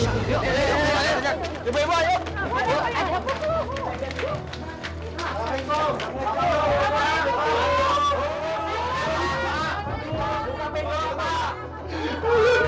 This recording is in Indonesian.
sudah menghentikan masa yang sedikit pak